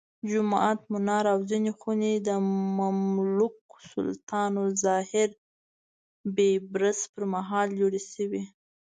جومات، منار او ځینې خونې د مملوک سلطان الظاهر بیبرس پرمهال جوړې شوې.